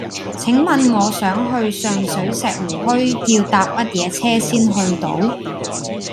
請問我想去上水石湖墟要搭乜嘢車先去到